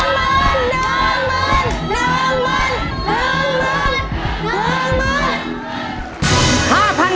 น้ำมน